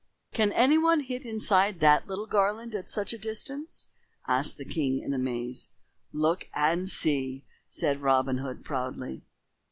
"Can any one hit inside that little garland at such a distance?" asked the king in amaze. "Look and see," answered Robin Hood proudly.